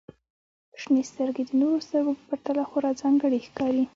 • شنې سترګې د نورو سترګو په پرتله خورا ځانګړې ښکاري.